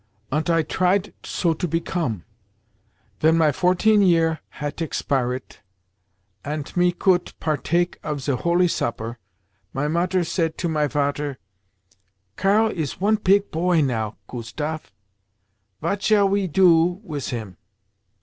Ant I triet so to become. Ven my fourteen year hat expiret, ant me coult partake of ze Holy Sopper, my Mutter sayt to my Vater, 'Karl is one pig poy now, Kustaf. Vat shall we do wis him?